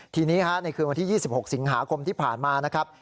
ทีนี้ในคืนวันที่๒๖สิงหาคมที่ผ่านมานะครับ